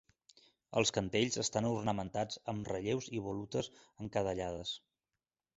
Els cantells estan ornamentats amb relleus i volutes encadellades.